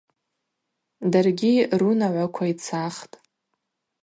Даргьи рунагӏваква йцахтӏ.